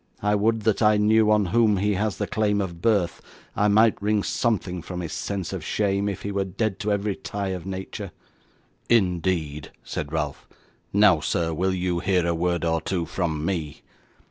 I would that I knew on whom he has the claim of birth: I might wring something from his sense of shame, if he were dead to every tie of nature.' 'Indeed!' said Ralph. 'Now, sir, will you hear a word or two from me?